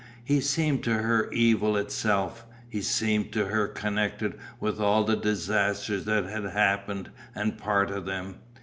He seemed to her evil itself. He seemed to her connected with all the disasters that had happened and part of them.